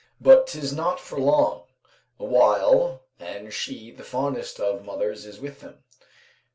But 'tis not for long; awhile, and she, the fondest of mothers, is with them.